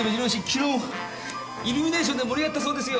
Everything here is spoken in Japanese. きのうもイルミネーションで盛り上がったそうですよ。